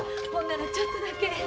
ほんならちょっとだけ。